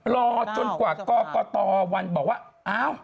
รอจนกว่ากตตวันบอกว่า